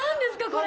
これ。